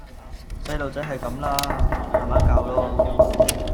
細孥仔係咁啦！慢慢教囉